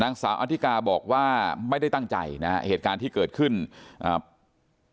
นางสาวอธิกาบอกว่าไม่ได้ตั้งใจนะฮะเหตุการณ์ที่เกิดขึ้นอ่า